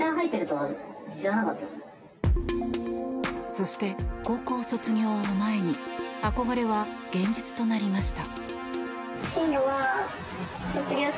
そして高校卒業を前に憧れは現実となりました。